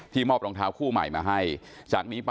ที่มอบรองเท้าคู่ใหม่มาให้